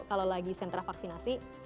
kalau lagi sentra vaksinasi